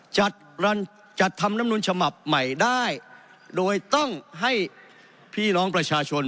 จัดทำรัฐธรรมนูลฉบับใหม่ได้โดยต้องให้พี่น้องประชาชน